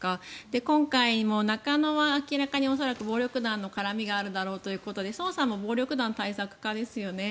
今回も中野は明らかに恐らく暴力団の絡みがあるだろうということで捜査も暴力団対策課ですよね。